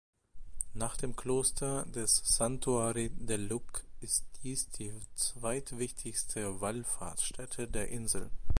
Nach dem Kloster Santuari de Lluc ist dies die zweitwichtigste Wallfahrtsstätte der Insel.